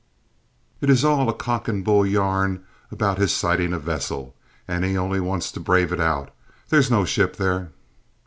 It is all a cock and a bull yarn about his sighting a vessel, and he only wants to brave it out. There's no ship there!"